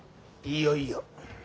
いよいよ。